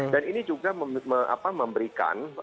dan ini juga memberikan